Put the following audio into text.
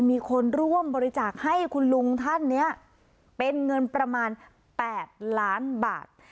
มีคนร่วมบริจาคให้คุณลุงท่านนี้เป็นเงินประมาณ๘ล้านบาท